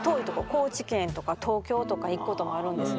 高知県とか東京とか行くこともあるんですね。